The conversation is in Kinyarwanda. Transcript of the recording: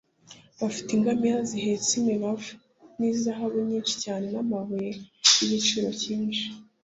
bafite ingamiya zihetse imibavu n'izahabu nyinshi cyane n'amabuye y'igiciro cyinshi